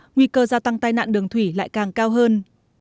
nguy cơ gia tăng tai nạn đường thủy lại càng cao hơn